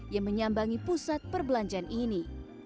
yang menyambangi pusat perbelanjaan ini